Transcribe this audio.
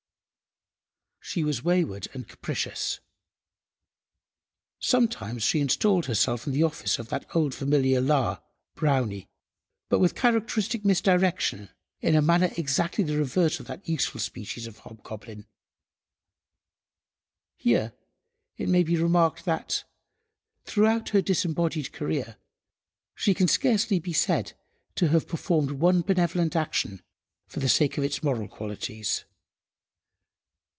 She was wayward and capricious. Sometimes she installed herself in the office of that old familiar Lar—Brownie, but, with characteristic misdirection, in a manner exactly the reverse of that useful species of hobgoblin. Here it may be remarked that, throughout her disembodied career, she can scarcely be said to have performed one benevolent action for the sake of its moral qualities.